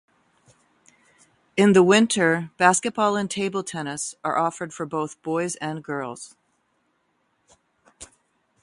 In the winter, basketball and table tennis are offered for both boys and girls.